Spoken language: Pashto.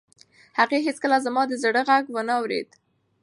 هغې هیڅکله زما د زړه غږ و نه اورېد.